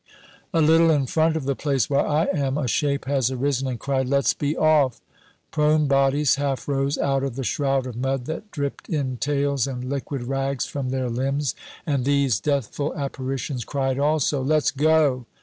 A little in front of the place where I am, a shape has arisen and cried, "Let's be off!" Prone bodies half rose out of the shroud of mud that dripped in tails and liquid rags from their limbs, and these deathful apparitions cried also, "Let's go!"